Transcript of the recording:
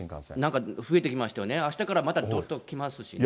なんか増えてきましたね、あしたからまたどっと来ますしね。